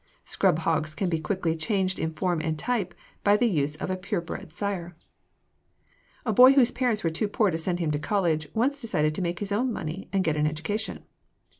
Scrub hogs can be quickly changed in form and type by the use of a pure bred sire. A boy whose parents were too poor to send him to college once decided to make his own money and get an education.